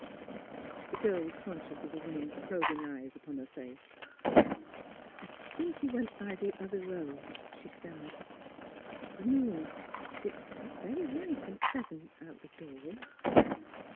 The girl was conscious of the woman's probing eyes upon her face. " I — I think he went by the other road," she stammered. " The — moon It is very light and pleasant out of doors."